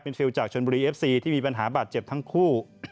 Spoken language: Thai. ฟิลจากชนบุรีเอฟซีที่มีปัญหาบาดเจ็บทั้งคู่